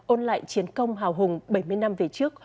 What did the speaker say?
ôn lại chiến công hào hùng bảy mươi năm về trước